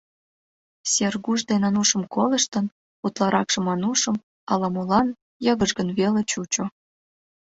Сергуш ден Анушым колыштын, утларакшым — Анушым, ала-молан йыгыжгын веле чучо.